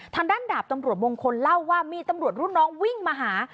ทางด้านดาบตำรวจมงคลเล่าว่ามีตำรวจรุ่นน้องวิ่งมาหา